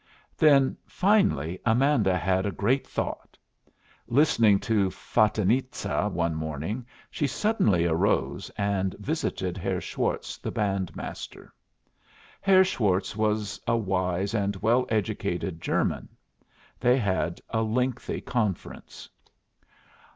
Then finally Amanda had a great thought. Listening to "Fatinitza" one morning, she suddenly arose and visited Herr Schwartz, the band master. Herr Schwartz was a wise and well educated German. They had a lengthy conference.